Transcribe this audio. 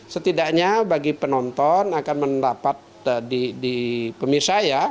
setidaknya bagi penonton akan mendapat di pemirsa ya